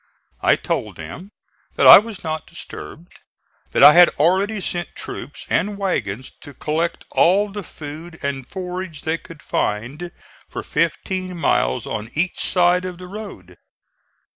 I told them that I was not disturbed; that I had already sent troops and wagons to collect all the food and forage they could find for fifteen miles on each side of the road.